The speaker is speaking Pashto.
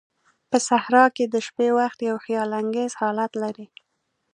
په صحراء کې د شپې وخت یو خیال انگیز حالت لري.